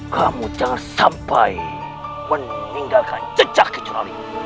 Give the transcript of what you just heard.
kamu jangan sampai meninggalkan jejak kecuali